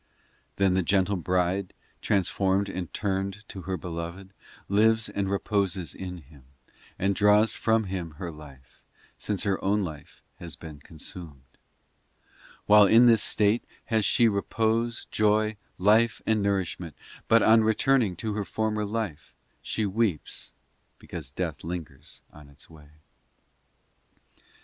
XII Then the gentle bride, Transformed and turned to her Beloved, Lives and reposes in Him And draws from Him her life, Since her own life has been consumed 34 POEMS XIII While in this state Has she repose, joy, life, and nourishment; But on returning To her former life, She weeps because death lingers on its way.